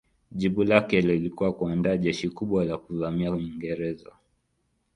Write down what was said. Jibu lake lilikuwa kuandaa jeshi kubwa la kuvamia Uingereza.